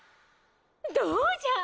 どうじゃっ！